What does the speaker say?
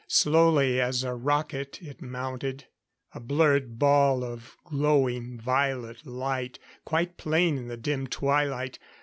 Slowly as a rocket it mounted a blurred ball of glowing violet light, quite plain in the dim twilight.